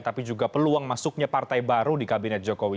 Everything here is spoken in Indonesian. tapi juga peluang masuknya partai baru di kabinet jokowi